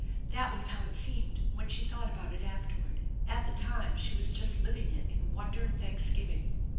That was how it seemed when she thought about it afterward. At the time she was just living it in wonder and thanksgiving.